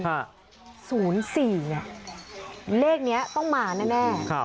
เลข๐๔เนี่ยเลขนี้ต้องมาแน่